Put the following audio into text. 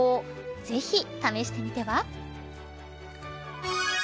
ぜひ、試してみては。